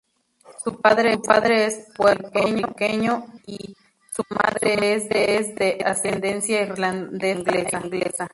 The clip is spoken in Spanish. Su padre es puertorriqueño y su madre es de ascendencia irlandesa e inglesa.